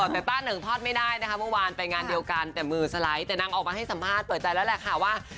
แต่ต้าเหนิงทอดไม่ได้นะคะเมื่อวานไปงานเดียวกันแต่มือสไลด์แต่นางออกมาให้สัมภาษณ์เปิดใจแล้วแหละค่ะว่า